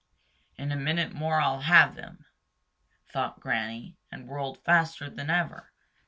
"In a minute more I'll have him," thought Granny, and whirled faster than ever.